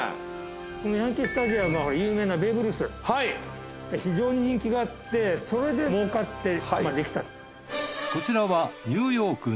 このヤンキー・スタジアムは有名なベーブ・ルース非常に人気があってそれで儲かって出来た。